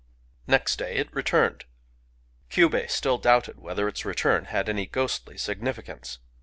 Next day it returned. Kyubei still doubted whether its return had any ghostly significance.